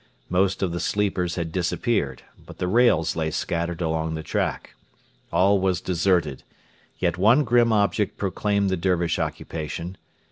Most of the sleepers had disappeared, but the rails lay scattered along the track. All was deserted: yet one grim object proclaimed the Dervish occupation.